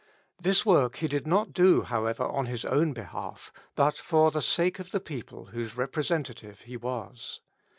This work he did not do, however, on his own behalf, but for the sake of the people whose representative he was.